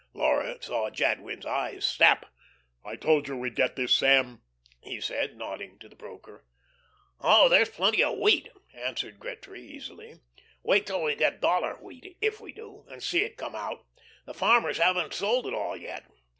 Laura saw Jadwin's eyes snap. "I told you we'd get this, Sam," he said, nodding to the broker. "Oh, there's plenty of wheat," answered Gretry, easily. "Wait till we get dollar wheat if we do and see it come out. The farmers haven't sold it all yet.